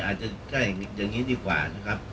อาจจะใช่อย่างนี้ดีกว่านะครับ